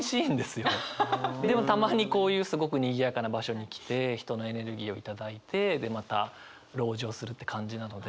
でもたまにこういうすごくにぎやかな場所に来て人のエネルギーをいただいてでまた籠城するって感じなので。